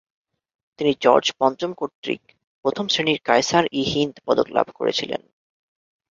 তিনি জর্জ পঞ্চম কর্তৃক প্রথম শ্রেণির কায়সার-ই-হিন্দ পদক লাভ করেছিলেন।